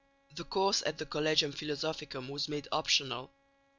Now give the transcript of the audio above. The course at the Collegium Philosophicum was made optional.